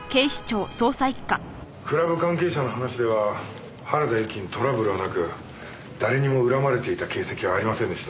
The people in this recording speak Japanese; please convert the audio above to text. クラブ関係者の話では原田由紀にトラブルはなく誰にも恨まれていた形跡はありませんでした。